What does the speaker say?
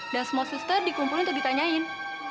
dan semua suster dikumpul untuk ditanyain